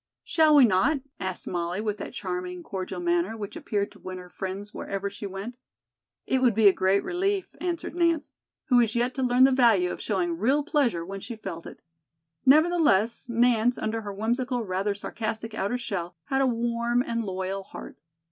"Shall we not?" asked Molly with that charming, cordial manner which appeared to win her friends wherever she went. "It would be a great relief," answered Nance, who was yet to learn the value of showing real pleasure when she felt it. Nevertheless, Nance, under her whimsical, rather sarcastic outer shell, had a warm and loyal heart.